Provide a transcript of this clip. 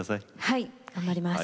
はい頑張ります。